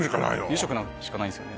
２０食しかないんですよね